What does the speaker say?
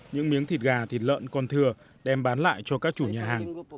những miếng thịt gà thịt lợn còn thừa đem bán lại cho các chủ nhà hàng